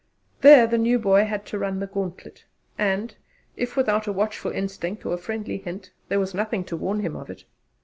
There the new boy had to run the gauntlet, and, if without a watchful instinct or a friendly hint, there was nothing to warn him of it.